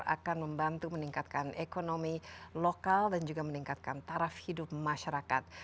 akan membantu meningkatkan ekonomi lokal dan juga meningkatkan taraf hidup masyarakat